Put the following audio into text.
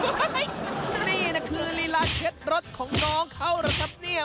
โอ้เฮ่ยนี่นะคือฤลาเข็ดรถของน้องเขาล่ะจ๊ะเนี่ย